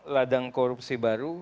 ladang korupsi baru